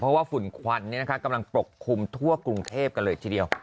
เพราะว่าฝุ่นควันกำลังปกคลุมทั่วกรุงเทพกันเลยทีเดียว